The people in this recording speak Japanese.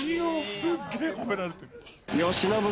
すっげえ褒められてる。